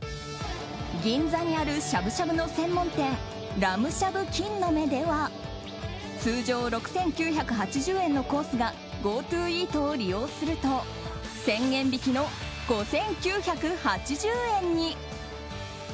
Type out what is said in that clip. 銀座にあるしゃぶしゃぶの専門店ラムしゃぶ金の目では通常６９８０円のコースがＧｏＴｏイートを利用すると１０００円引きの５９８０円に。